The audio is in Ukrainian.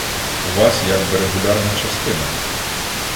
У вас як би регулярна частина.